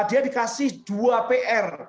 dia dikasih dua pr